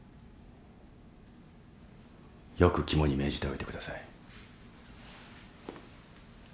よく肝に銘じておいてください。